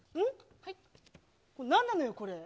なんなのよ、これ。